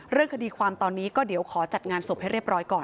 เรื่องคดีความตอนนี้ก็เดี๋ยวขอจัดงานศพให้เรียบร้อยก่อน